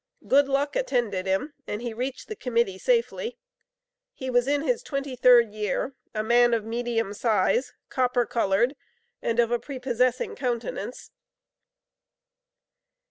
Good luck attended him, and he reached the Committee safely. He was in his twenty third year, a man of medium size, copper colored, and of a prepossessing countenance.